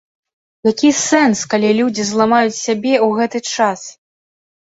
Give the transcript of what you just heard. Які сэнс, калі людзі зламаюць сябе ў гэты час?!